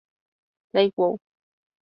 Like Wow!